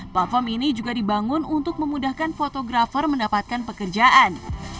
platform ini juga dibangun untuk memudahkan fotografer mendapatkan pekerjaan